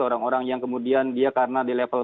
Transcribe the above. orang orang yang kemudian dia karena di level